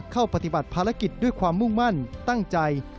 ปฏิบัติภารกิจด้วยความมุ่งมั่นตั้งใจ